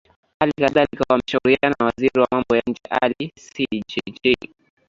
hali kadhalika wameshauriana na waziri wa mambo ya nje ali sidi jj